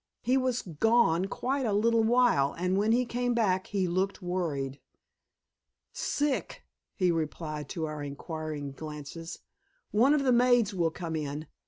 He was gone quite a little while, and when he came back he looked worried. "Sick," he replied to our inquiring glances. "One of the maids will come in.